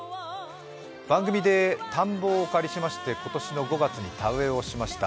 番組で田んぼをお借りしまして、今年の５月に田植えをしました。